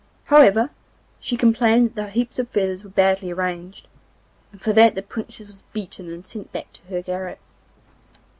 However, she complained that the heaps of feathers were badly arranged, and for that the Princess was beaten and sent back to her garret.